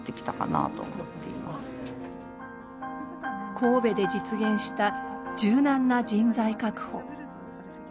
神戸で実現した柔軟な人材確保。